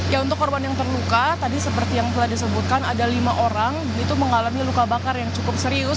ya untuk korban yang terluka tadi seperti yang telah disebutkan ada lima orang itu mengalami luka bakar yang cukup serius